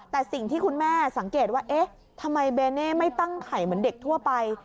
แต่สิ่งที่คุณแม่สังเกตว่าเอ๊ะทำไมเบเน่ไม่ตั้งไข่เหมือนเด็กทั่วไป